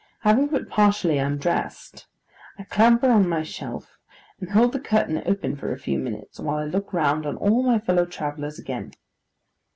Having but partially undressed, I clamber on my shelf, and hold the curtain open for a few minutes while I look round on all my fellow travellers again.